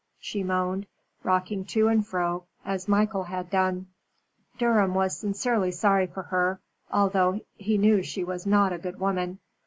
she moaned, rocking to and fro as Michael had done. Durham was sincerely sorry for her, although he knew she was not a good woman.